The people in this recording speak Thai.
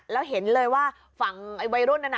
แล้วเห็นเลยว่าฝั่งไอ้วัยรุ่นนั้นน่ะ